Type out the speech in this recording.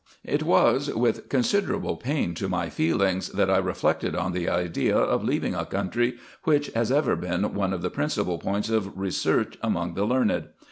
It was with considerable pain to my feelings, that I reflected on the idea of leaving a country, which has ever been one of the principal points of research among the learned.